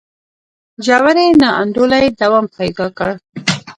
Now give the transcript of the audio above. ژورې نا انډولۍ دوام پیدا کړ.